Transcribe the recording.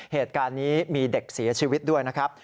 เหตุการณ์นี้มีเด็กเสียชีวิตด้วยนะครับ